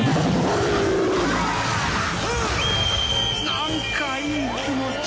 なんかいい気持ち。